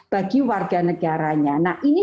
bagi warga negaranya nah ini